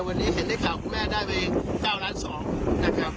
วันนี้เห็นได้ข่าวคุณแม่ได้ไป๙ล้าน๒นะครับ